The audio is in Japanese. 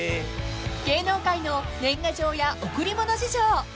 ［芸能界の年賀状や贈り物事情］